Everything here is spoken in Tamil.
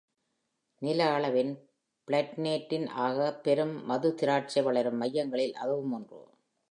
நில அளவின் பளேட்டினேட்டின் ஆக பெரும் மதுதிராட்சை வளரும் மையங்களில் அதுவும் ஒன்று.